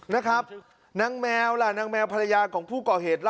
นะครับนางแมวล่ะนางแมวภรรยาของผู้เกาะเหตุ